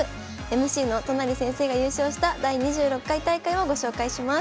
ＭＣの都成先生が優勝した第２６回大会をご紹介します。